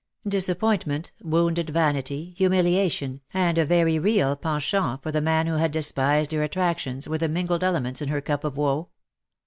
Disappointment, wounded vanity, humiliation, and a very real penchant for the man who had despised her attractions were the mingled elements in her cup of woe.